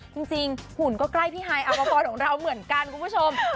หุ่นก็ใกล้พี่ฮายอาวพรของเราเหมือนกันคุณผู้ชม